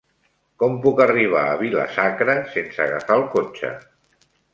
Com puc arribar a Vila-sacra sense agafar el cotxe?